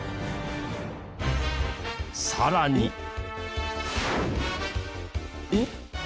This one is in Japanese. さらに。えっ？